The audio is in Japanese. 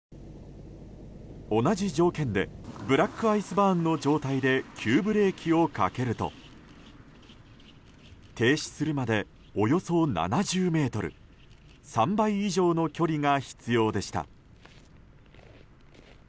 同じ条件でブラックアイスバーンの状態で急ブレーキをかけると停止するまでおよそ７０ｍ３倍以上の距離が必要でした。